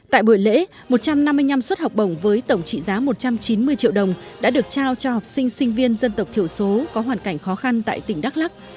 tại buổi lễ một trăm năm mươi năm suất học bổng với tổng trị giá một trăm chín mươi triệu đồng đã được trao cho học sinh sinh viên dân tộc thiểu số có hoàn cảnh khó khăn tại tỉnh đắk lắc